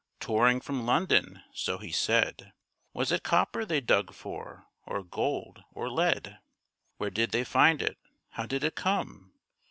Touring from London, so he said. Was it copper they dug for? or gold? or lead? Where did they find it? How did it come?